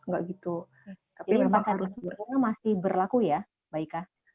jadi makanan bunga masih berlaku ya mbak ika